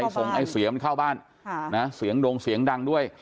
ส่งไอเสียมันเข้าบ้านเสียงดงเสียงดังด้วย